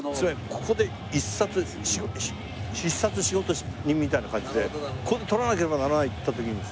ここで『必殺仕事人』みたいな感じでここで取らなければならないっていった時にですね